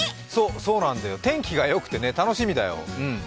そうなんだよ、天気がよくて楽しみだよ。